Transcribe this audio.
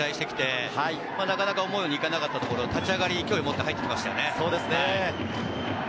コロンビアは韓国と試合をして、なかなか思うようにいかなかったところ、立ち上がり脅威を持って入ってきましたね。